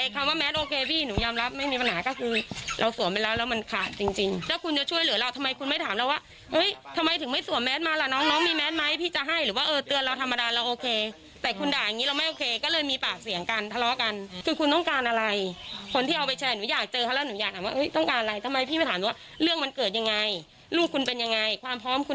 ทำไมคุณไม่ถามเราว่าเฮ้ยทำไมถึงไม่สวมแมทมาล่ะน้องน้องมีแมทไหมพี่จะให้หรือว่าเออเตือนเราธรรมดาเราโอเคแต่คุณด่ายังงี้เราไม่โอเคก็เลยมีปากเสียงกันทะเลาะกันคือคุณต้องการอะไรคนที่เอาไปแชร์หนูอยากเจอเขาแล้วหนูอยากถามว่าเฮ้ยต้องการอะไรทำไมพี่ไม่ถามเราว่าเรื่องมันเกิดยังไงลูกคุณเป็นยังไงความพร้อมคุ